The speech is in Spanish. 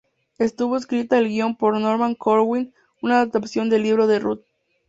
Estuvo escrita el guion por Norman Corwin, una adaptación de el Libro de Ruth.